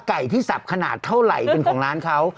ไก่ที่สับขนาดเท่าไหร่เป็นของร้านเขา